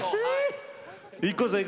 ＩＫＫＯさん